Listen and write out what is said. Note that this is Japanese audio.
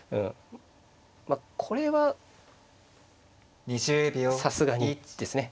これはさすがにですね。